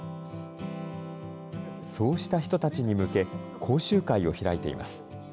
そうした人たちに向け、講習会を開いています。